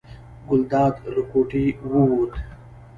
ګلداد له کوټې ووت.